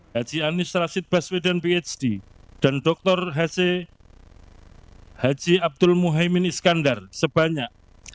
haji anies rasid baswedan phd dan dr haji abdul muhaymin iskandar sebanyak empat puluh sembilan ratus tujuh puluh satu sembilan ratus